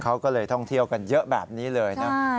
เขาก็เลยท่องเที่ยวกันเยอะแบบนี้เลยนะ